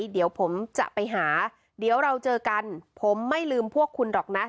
เดี๋ยวผมจะไปหาเดี๋ยวเราเจอกันผมไม่ลืมพวกคุณหรอกนะ